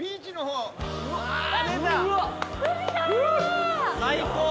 うわ最高。